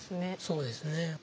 そうですね。